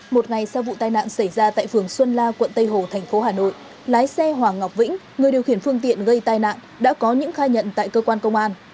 một ngày sau vụ tai nạn xảy ra tại phường xuân la quận tây hồ thành phố hà nội lái xe hoàng ngọc vĩnh người điều khiển phương tiện gây tai nạn đã có những khai nhận tại cơ quan công an